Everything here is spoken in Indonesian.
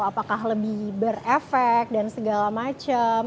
apakah lebih berefek dan segala macam